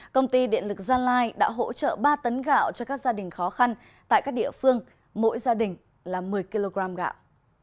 công ty điện lực gia lai đã hỗ trợ ba tấn gạo cho các gia đình khó khăn tại các địa phương mỗi gia đình là một mươi kg gạo